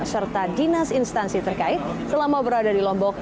serta dinas instansi terkait selama berada di lombok